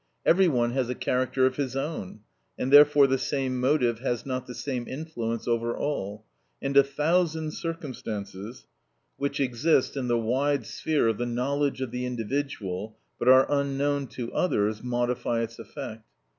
Every one has a character of his own; and therefore the same motive has not the same influence over all, and a thousand circumstances which exist in the wide sphere of the knowledge of the individual, but are unknown to others, modify its effect.